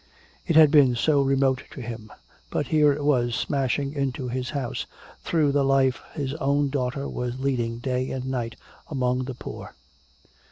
It had been so remote to him. But here it was smashing into his house, through the life his own daughter was leading day and night among the poor!